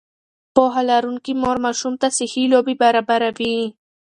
پوهه لرونکې مور ماشوم ته صحي لوبې برابروي.